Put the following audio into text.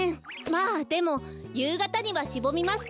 まあでもゆうがたにはしぼみますから。